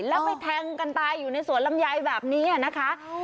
แล้วไปแทงกันตายอยู่ในสวนลำไยแบบนี้นะคะ